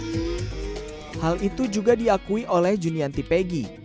dan bapak martinus juga diakui oleh junianti peggy